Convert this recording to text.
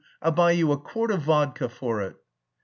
I'll buy you a quart of vodka for it."